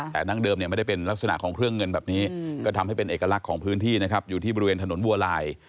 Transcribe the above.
แต่นั่งเดิมเนี่ยไม่ได้เป็นลักษณะของเครื่องเงินแบบนี้ก็ทำให้เป็นเอกลักษณ์ของพื้นที่นะครับอยู่ที่บริเวณถนนบัวลาย